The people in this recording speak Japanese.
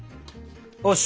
よし！